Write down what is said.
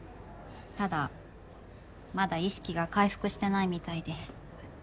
ただまだ意識が回復してないみたいで。